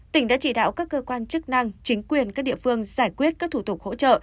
tỉnh đã chỉ đạo các cơ quan chức năng chính quyền các địa phương giải quyết các thủ tục hỗ trợ